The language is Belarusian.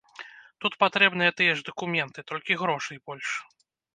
Тут патрэбныя тыя ж дакументы, толькі грошай больш.